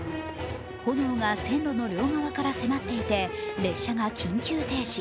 炎が線路の両側から迫っていて列車が緊急停止。